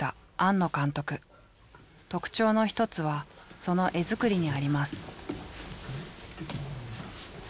特徴の一つはその画作りにあります。